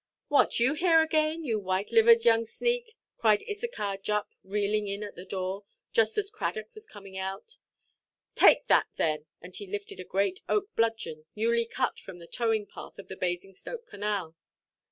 "What, you here again, you white–livered young sneak!" cried Issachar Jupp, reeling in at the door, just as Cradock was coming out; "take that, then——" and he lifted a great oak bludgeon, newly cut from the towing–path of the Basingstoke Canal.